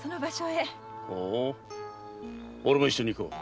ほう俺も一緒に行こう。